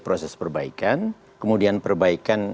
proses perbaikan kemudian perbaikan